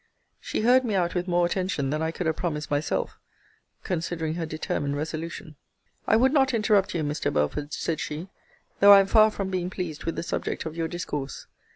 She heard me out with more attention than I could have promised myself, considering her determined resolution. I would not interrupt you, Mr. Belford, said she, though I am far from being pleased with the subject of your discourse.